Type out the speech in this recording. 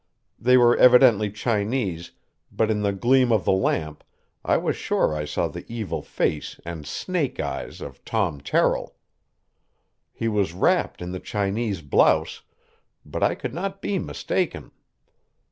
They were evidently Chinese, but in the gleam of the lamp I was sure I saw the evil face and snake eyes of Tom Terrill. He was wrapped in the Chinese blouse, but I could not be mistaken.